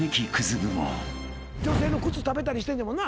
女性の靴食べたりしてんねんもんな。